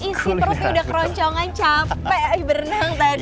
isi perutnya udah keroncongan capek berenang tadi